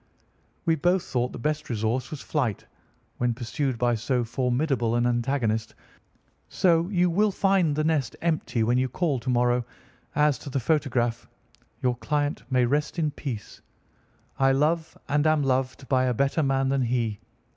"We both thought the best resource was flight, when pursued by so formidable an antagonist; so you will find the nest empty when you call to morrow. As to the photograph, your client may rest in peace. I love and am loved by a better man than he.